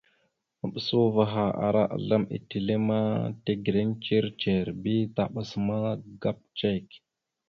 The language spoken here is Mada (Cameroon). Maɓəsa uvah ara azlam etelle ma tegreŋ ndzir ndzir bi taɓas magap cek.